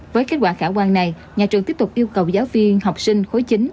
với kết quả khả quan này nhà trường tiếp tục yêu cầu giáo viên học sinh khối chín